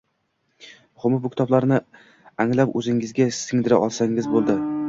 Muhimi, bu kitoblarni anglab, oʻzingizga singdira olsangiz boʻldi